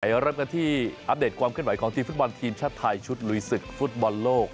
เริ่มกันที่อัปเดตความเคลื่อนไหวของทีมฟุตบอลทีมชาติไทยชุดลุยศึกฟุตบอลโลก